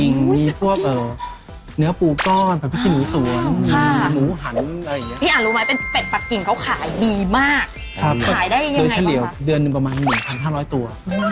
เนื้อชะเลียวเดือนนึงประมาณ๑๕๐๐ตัว